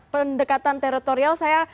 pendekatan teritorial saya